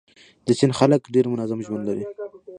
د چین خلک ډېر منظم ژوند لري.